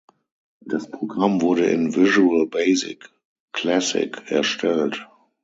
Das Programm wurde in Visual Basic Classic erstellt.